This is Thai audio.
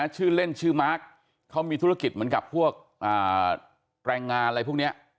ชื่อเล่นชื่อมาร์คเขามีธุรกิจเหมือนกับพวกแรงงานอะไรพวกนี้